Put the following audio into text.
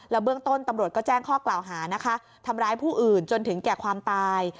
เบื้องต้นตำรวจก็แจ้งข้อกล่าวหานะคะทำร้ายผู้อื่นจนถึงแก่ความตาย